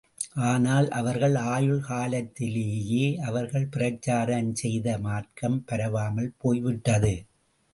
ஆனால், அவர்கள் ஆயுள் காலத்திலேயே, அவர்கள் பிரச்சாரம் செய்த மார்க்கம் பரவாமல் போய்விட்டது.